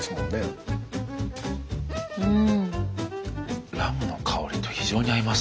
うん。